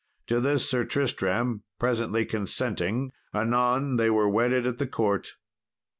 To this Sir Tristram presently consenting anon they were wedded at the court.